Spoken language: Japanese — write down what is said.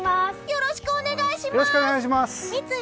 よろしくお願いします！